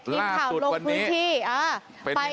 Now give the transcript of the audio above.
อินข่าวโลกพื้นที่ล่าสุดวันนี้